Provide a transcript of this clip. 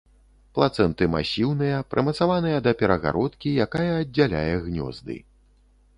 Плацэнты масіўныя, прымацаваныя да перагародкі, якая аддзяляе гнёзды.